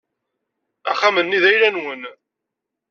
Axxam-nni d ayla-nwen.